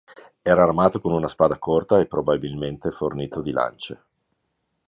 Era armato con una spada corta e probabilmente fornito di lance.